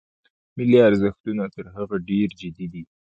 ملي ارزښتونه تر هغه ډېر جدي دي.